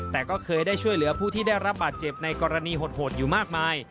แต่ก็เคยได้ช่วยเหลือผู้ที่ได้รับบาดเจ็บในกรณีโหดอยู่มากมาย